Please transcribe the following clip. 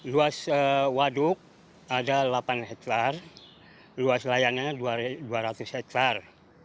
luas waduk ada delapan hektar luas layarnya dua ratus hektar